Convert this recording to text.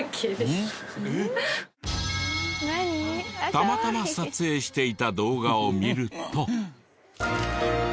たまたま撮影していた動画を見ると。